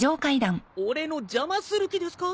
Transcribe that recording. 俺の邪魔する気ですか？